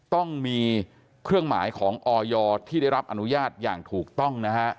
ต้องมีเครื่องหมายของออยที่ได้รับอนุญาตอย่างถูกต้องนะฮะ